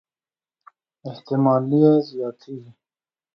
احتمالي یې زياتېږي.